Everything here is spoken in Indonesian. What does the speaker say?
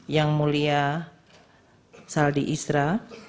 yang mulia saldi isra